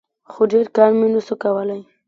خو ډېر کار مې نسو کولاى.